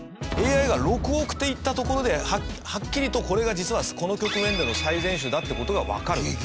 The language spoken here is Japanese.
ＡＩが６億手いったところではっきりとこれが実はこの局面での最善手だっていう事がわかる。